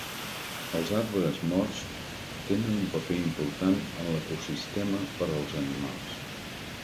Els arbres morts tenen un paper important en l'ecosistema per als animals.